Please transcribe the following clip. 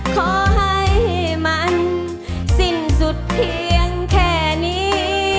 ขอให้มันสิ้นสุดเพียงแค่นี้